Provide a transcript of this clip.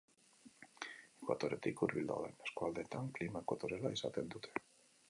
Ekuatoretik hurbil dauden eskualdeetan klima ekuatoriala izaten dute.